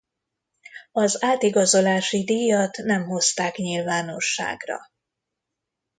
Az átigazolási díjat nem hozták nyilvánosságra.